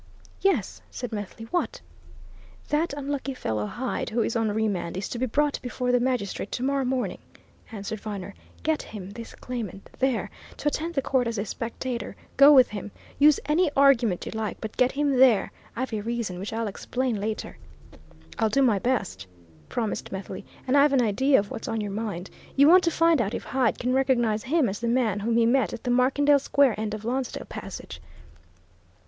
"Yes!" said Methley. "What?" "That unlucky fellow Hyde, who is on remand, is to be brought before the magistrate tomorrow morning," answered Viner. "Get him this claimant there, to attend the court as a spectator go with him! Use any argument you like, but get him there! I've a reason which I'll explain later." "I'll do my best," promised Methley. "And I've an idea of what's on your mind. You want to find out if Hyde can recognize him as the man whom he met at the Markendale Square end of Lonsdale Passage?"